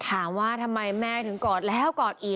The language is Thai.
ถามว่าทำไมแม่ถึงกอดแล้วกอดอีก